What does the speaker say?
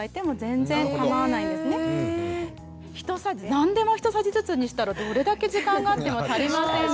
何でも１さじずつにしたらどれだけ時間があっても足りませんので。